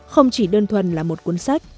không chỉ đơn thuần là một cuốn sách